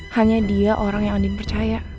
hanya dia orang yang unik percaya